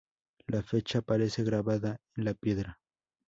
La fecha aparece grabada en la piedra.